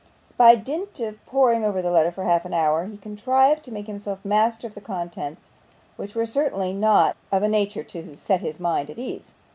By dint of poring over the letter for half an hour, he contrived to make himself master of the contents, which were certainly not of a nature to set his mind at ease.